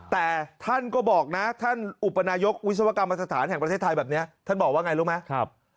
แต่ท่านก็บอกนะท่านอุปนายกวิศวกรรมสถานแห่งประเทศไทยแบบนี้ท่านบอกว่าไงรู้ไหม